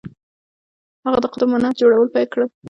هغه د قطب منار جوړول پیل کړل.